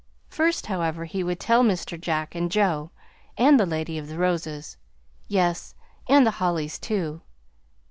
First, however, he would tell Mr. Jack and Joe, and the Lady of the Roses; yes, and the Hollys, too.